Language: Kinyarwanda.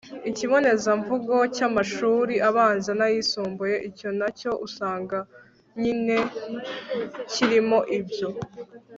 ikibonezamvugo cy'amashuri abanza n'ayisumbuye. icyo na cyo usanga nyine kirimo ibyo